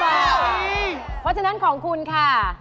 เพราะฉะนั้นของคุณค่ะ